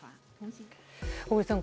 小栗さん